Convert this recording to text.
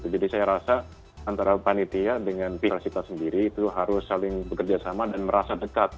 jadi saya rasa antara panitia dengan pihak universitas sendiri itu harus saling bekerja sama dan merasa dekat